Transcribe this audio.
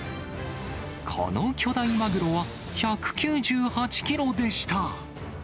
この巨大マグロは１９８キロでした。